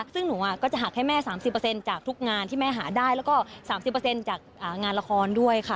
ซึ่งหนูก็จะหักให้แม่๓๐จากทุกงานที่แม่หาได้แล้วก็๓๐จากงานละครด้วยค่ะ